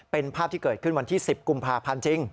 เป็นภาพที่เกิดขึ้นวันที่๑๐กุมภาพันธ์จริง